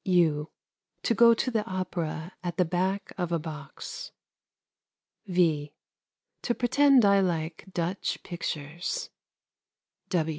(u) To go to the opera at the back of a box. (v) To pretend I like Dutch pictures.